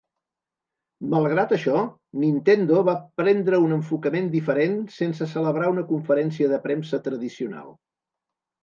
Malgrat això, Nintendo va prendre un enfocament diferent sense celebrar una conferència de premsa tradicional.